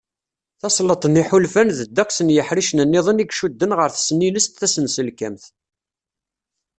Tesleḍt n yiḥulfan d ddeqs n yiḥricen-nniḍen i icudden ɣer tesnilest tasenselkamt.